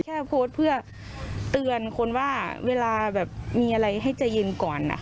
แค่โพสต์เพื่อเตือนคนว่าเวลาแบบมีอะไรให้ใจเย็นก่อน